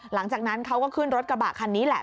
หลังจากนั้นเขาก็ขึ้นรถกระบะคันนี้แหละ